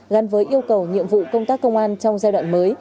gắn với yêu cầu nhiệm vụ công tác công an trong giai đoạn mới